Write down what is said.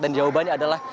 dan jawabannya adalah